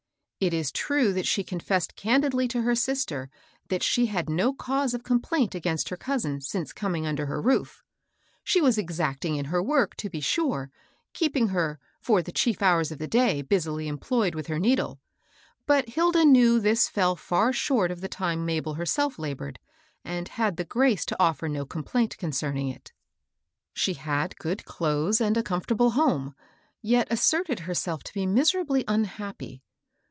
It is true that she confessed 26 MABEL ROSS. candidly to her sister that she had no cause of com plaint against her cousin since coming under her roofi She was exacting in work, to be sure, keep ing her, for th^ chief hours of the day, busily em ployed with her needle; but Hilda knew this fell fiur short of the time Mabel herself labored, and had the grace to offer no complaint concerning it. She had good clothes and a comfortable home, yet asserted herself to be miserably unhappy.